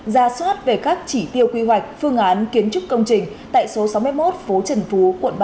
giả soát về các chỉ tiêu quy hoạch phương án kiến trúc công trình tại số sáu mươi một phố trần phú